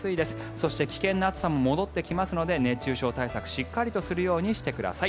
そして、危険な暑さも戻ってきますので熱中症対策しっかりするようにしてください。